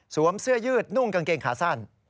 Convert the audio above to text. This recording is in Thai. เสื้อยืดนุ่งกางเกงขาสั้น